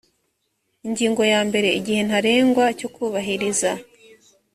ingingo ya mbere igihe ntarengwa cyo kubahiriza